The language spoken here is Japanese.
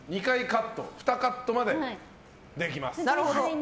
２カットまでできます。